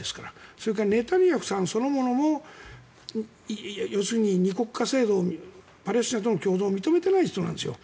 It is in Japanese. それからネタニヤフさんそのものも要するに２国家制度パレスチナとの共存を認めてない人なんですよ。